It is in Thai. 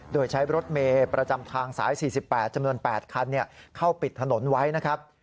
โดยใช้รถเมย์ประจำทางสาย๔๘จำนวน๘คันเข้าปิดถนนไว้นะครับ